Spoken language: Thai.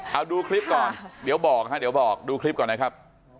เอาดูคลิปก่อนเดี๋ยวบอกดูคลิปก่อนนะครับ